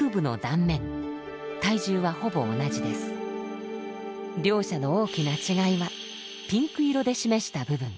体重はほぼ同じです。両者の大きな違いはピンク色で示した部分。